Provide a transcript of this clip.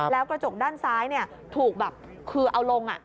แล้วกระจกด้านซ้ายถูกแบบคือเอาลง